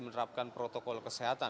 menerapkan protokol kesehatan